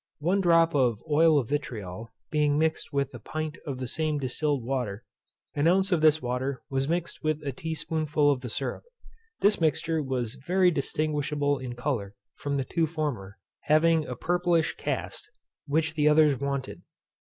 One drop of oil of vitriol being mixed with a pint of the same distilled water, an ounce of this water was mixed with a tea spoonful of the syrup. This mixture was very distinguishable in colour from the two former, having a purplish cast, which the others wanted.